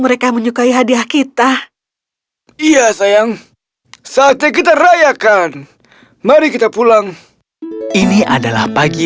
mereka menyukai hadiah kita iya sayang saatnya kita rayakan mari kita pulang ini adalah pagi